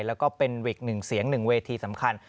แล้วก็เป็นอีกหนึ่งเสียง๑เวทีสำคัญ